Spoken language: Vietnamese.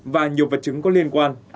và nhiều vật chứng có liên quan